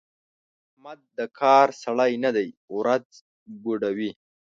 احمد د کار سړی نه دی؛ ورځ ګوډوي.